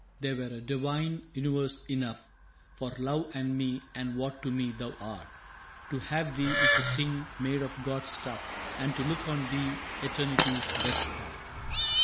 That were a divine universe enough For love and me and what to me thou art. To have thee is a thing made of gods' stuff And to look on thee eternity's best part.